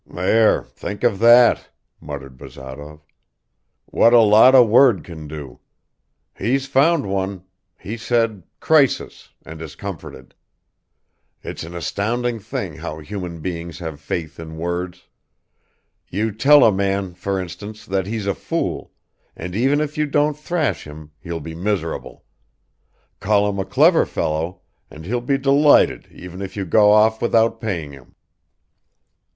"There, think of that!" muttered Bazarov. "What a lot a word can do! He's found one; he said 'crisis' and is comforted. It's an astounding thing how human beings have faith in words. You tell a man, for instance, that he's a fool, and even if you don't thrash him he'll be miserable; call him a clever fellow, and he'll be delighted even if you go off without paying him."